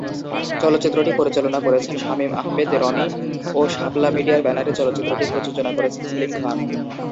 চলচ্চিত্রটি পরিচালনা করেছেন শামীম আহমেদ রনি ও শাপলা মিডিয়ার ব্যানারে চলচ্চিত্রটি প্রযোজনা করেছেন সেলিম খান।